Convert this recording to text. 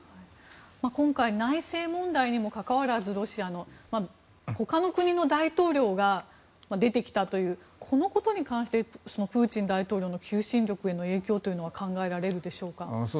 今回、ロシアの内戦問題にもかかわらず他の国の大統領が出てきたというこのことに関してプーチン大統領の求心力への影響というのは考えられるでしょうか。